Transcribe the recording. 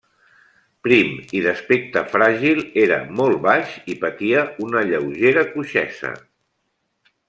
Prim i d'aspecte fràgil, era molt baix i patia una lleugera coixesa.